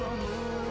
buka selalu menuju mu